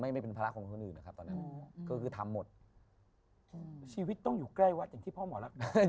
ไม่ไม่เป็นภาระของคนอื่นนะครับตอนนั้นก็คือทำหมดชีวิตต้องอยู่ใกล้วัดอย่างที่พ่อหมอรัก